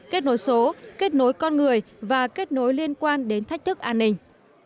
kết nối số kết nối con người và kết nối liên quan đến thách thức an ninh